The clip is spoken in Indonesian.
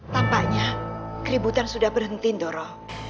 tampaknya keributan sudah berhenti ndoro